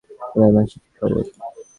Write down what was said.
খুড়ামশায়ের কী খবর?